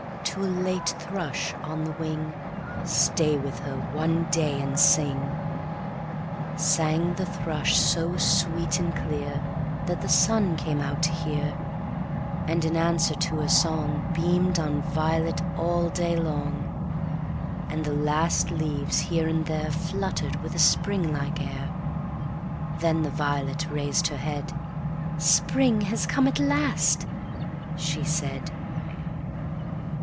To a late thrush on the wing,"Stay with her one day and sing!"Sang the thrush so sweet and clearThat the sun came out to hear, And, in answer to her song, Beamed on violet all day long; And the last leaves here and thereFluttered with a spring like air. Then the violet raised her head,—"Spring has come at last!" she said.